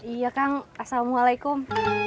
iya kang assalamualaikum